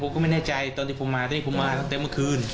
ก็ไม่แน่ใจตอนที่ผมมาตอนนี้ผมมาตั้งแต่เมื่อคืน